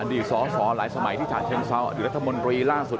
อันนี้อยู่สอหลายสมัยที่จากเชียงเซาะหรือรัฐมนตรีล่าสุด